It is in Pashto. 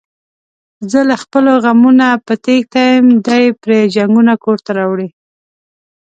زه له خپلو غمونو په تېښته یم، دی پري جنگونه کورته راوړي.